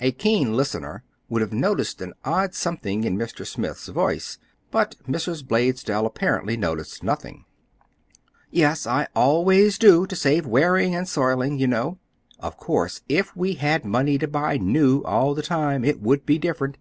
A keen listener would have noticed an odd something in Mr. Smith's voice; but Mrs. Blaisdell apparently noticed nothing. "Yes, I always do—to save wearing and soiling, you know. Of course, if we had money to buy new all the time, it would be different.